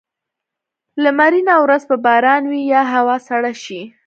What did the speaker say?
لمرینه ورځ به باران وي یا هوا سړه شي.